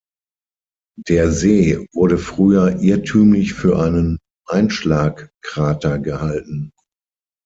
Der See wurde früher irrtümlich für einen Einschlagkrater gehalten.